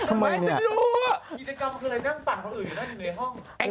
กิจกรรมคืออะไรนั่งปั่นคนอื่นอยู่ในห้อง